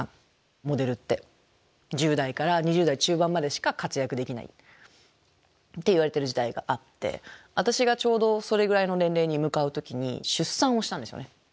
モデルって１０代から２０代中盤までしか活躍できないっていわれている時代があって私がちょうどそれぐらいの年齢に向かう時に出産をしたんですよね。